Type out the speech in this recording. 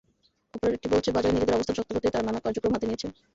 অপারেটরটি বলছে, বাজারে নিজেদের অবস্থান শক্ত করতেই তারা নানা কার্যক্রম হাতে নিয়েছে।